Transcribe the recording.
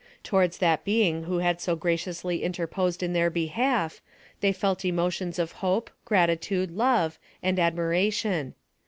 Towards that Being who had so graciously interposed in their behalf, they felt emotions of hope, gratitude, love, and admira tion.